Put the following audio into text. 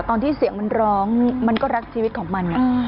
ตอนที่เสียงมันร้องมันก็รักชีวิตของมัน